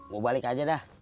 gua balik aja dah